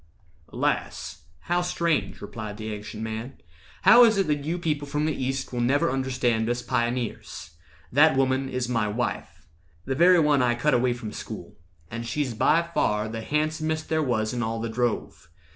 "Alas! how strange," replied the Ancient Man; "How is it that you people from the East Will never understand us pioneers? That woman is my wife—the very one I cut away from school; and she's by far The handsomest there was in all the drove.